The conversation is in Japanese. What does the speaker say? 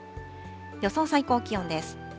予想最高気温です。